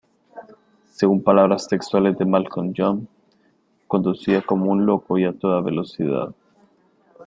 Según palabras textuales de Malcolm Young "conducía como un loco y a toda velocidad".